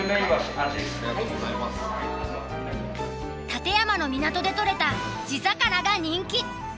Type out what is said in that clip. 館山の港で取れた地魚が人気！